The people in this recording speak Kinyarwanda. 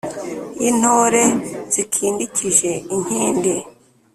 Y'intore zikindikije inkindi